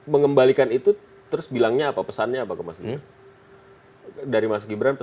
mengembalikan itu terus bilangnya apa pesannya apa ke mas gibran